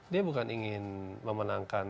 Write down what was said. dia bukan ingin memenangkan